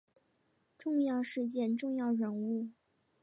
重要事件重要人物